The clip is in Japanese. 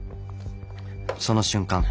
その瞬間